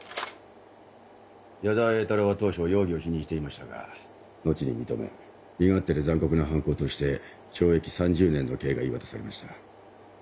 矢澤栄太郎は当初容疑を否認していましたが後に認め身勝手で残酷な犯行として懲役３０年の刑が言い渡されました。